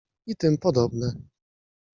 I tym podobne.